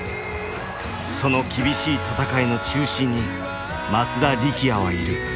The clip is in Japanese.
その厳しい戦いの中心に松田力也はいる。